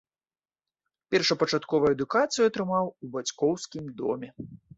Першапачатковую адукацыю атрымаў у бацькоўскім доме.